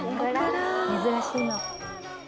珍しいの。